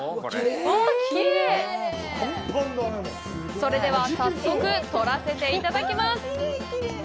それでは早速、とらせていただきます！